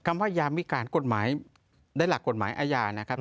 คำว่ายามวิการกฎหมายได้หลักกฎหมายอาญานะครับ